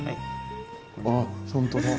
あっ本当だ。